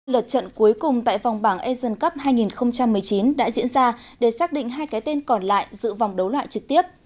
lợt trận cuối cùng tại vòng bảng asian cup hai nghìn một mươi chín đã diễn ra để xác định hai cái tên còn lại giữ vòng đấu loại trực tiếp